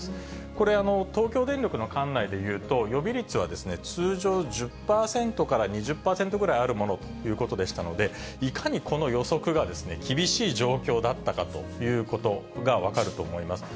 これ、東京電力の管内でいうと、予備率は通常１０％から２０％ぐらいあるものということでしたので、いかにこの予測が厳しい状況だったかということが分かると思います。